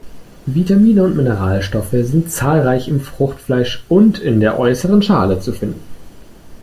Vitamine und Mineralstoffe sind zahlreich im Fruchtfleisch und in der äußeren Schale zu finden.